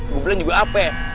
gue bilang juga apa ya